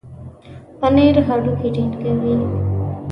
پنېر هډوکي ټينګوي.